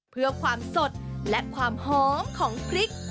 เพื่อความสดและความหอมของพริก